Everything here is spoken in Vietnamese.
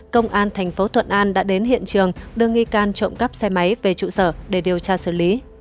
công an thành phố thuận an đã đến hiện trường đưa nghi can trộm cắp xe máy về trụ sở để điều tra xử lý